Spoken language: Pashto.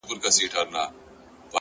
زما شاعري وخوړه زې وخوړم!